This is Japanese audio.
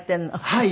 はい。